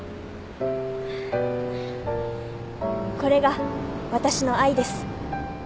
これが私の愛です。